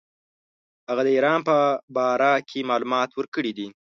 هغه د ایران په باره کې معلومات ورکړي دي.